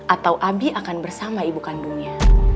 atau abi akan bersama ibukan dunia